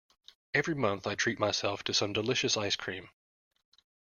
Every month, I treat myself to some delicious ice cream.